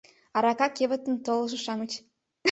— Арака кевытым толышо-шамыч.